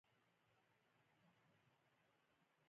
اوربيتالونه څه دي ؟